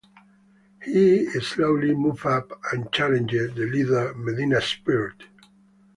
He slowly moved up and challenged the leader Medina Spirit.